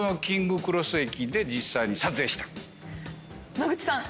野口さん